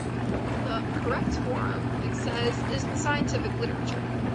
The "correct forum", it says, is the scientific literature.